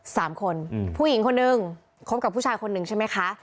สามคนอืมผู้หญิงคนหนึ่งคบกับผู้ชายคนหนึ่งใช่ไหมคะ